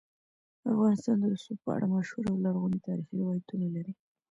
افغانستان د رسوب په اړه مشهور او لرغوني تاریخی روایتونه لري.